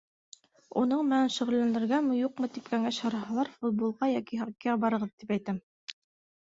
Уның менән шөғөлләнергәме-юҡмы тип кәңәш һораһалар, футболға йәки хоккейға барығыҙ, тип әйтәм.